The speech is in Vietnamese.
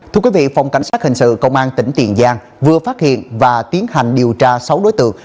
thưa quý vị phòng cảnh sát hình sự công an tỉnh tiền giang vừa phát hiện và tiến hành điều tra sáu đối tượng